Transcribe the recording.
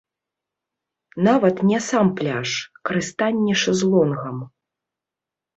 Нават не сам пляж, карыстанне шэзлонгам.